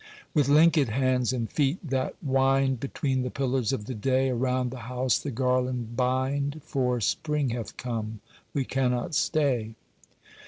With linkèd hands and feet that wind Between the pillars of the day, Around the house the garland bind, For spring hath come, we cannot stay.